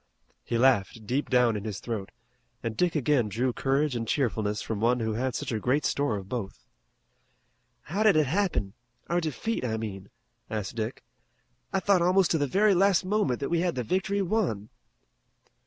He laughed deep down in his throat and Dick again drew courage and cheerfulness from one who had such a great store of both. "How did it happen? Our defeat, I mean," asked Dick. "I thought almost to the very last moment that we had the victory won."